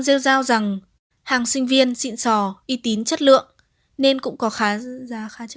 sơn giao rằng hàng sinh viên xịn sò y tín chất lượng